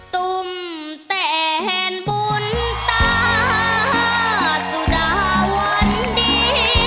ตุ้มแตนบุญตาสุดาวันดี